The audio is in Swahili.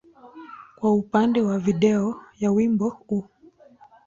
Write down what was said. kwa upande wa video ya wimbo huu.